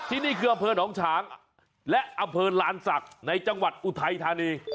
นี่คืออำเภอหนองฉางและอำเภอลานศักดิ์ในจังหวัดอุทัยธานี